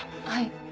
はい。